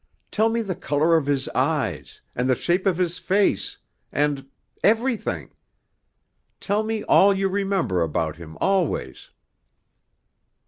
Tell me the color of his eyes and the shape of his face and everything. Tell me all you remember about him always."